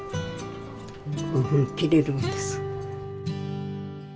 こういうふうに切れるんです。